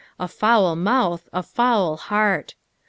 A foul mouth, a foul heart.